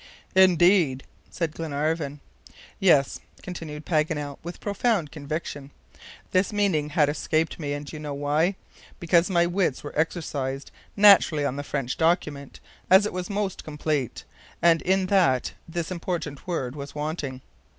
"Indeed!" said Glenarvan. "Yes," continued Paganel, with profound conviction; "this meaning had escaped me, and do you know why? Because my wits were exercised naturally on the French document, as it was most complete, and in that this important word was wanting."